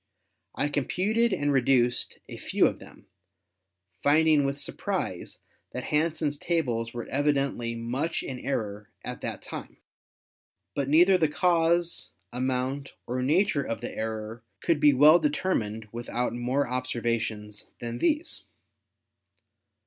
I computed and re duced a few of them, finding with surprise that Hansen's tables were evidently much in error at that time. But THE MOON 171 neither the cause, amount or nature of the error could be well determined without more observations than these.